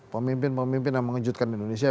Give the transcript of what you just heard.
pemimpin pemimpin yang mengejutkan indonesia